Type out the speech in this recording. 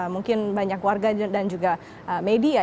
mungkin banyak warga dan juga media